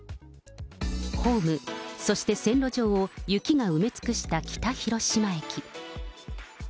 ホーム、そして線路上を雪が埋め尽くした北広島駅。